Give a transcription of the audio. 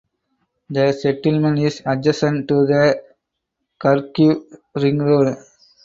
The settlement is adjacent to the Kharkiv Ring Road.